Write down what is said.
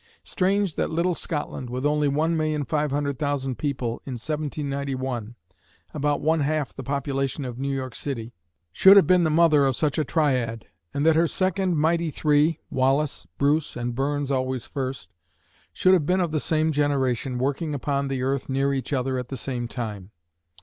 Strange that little Scotland, with only 1,500,000 people, in 1791, about one half the population of New York City, should have been the mother of such a triad, and that her second "mighty three" (Wallace, Bruce and Burns always first), should have been of the same generation, working upon the earth near each other at the same time.